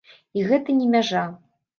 І гэта не мяжа.